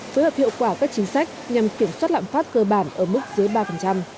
phối hợp hiệu quả các chính sách nhằm kiểm soát lạm phát cơ bản ở mức dưới ba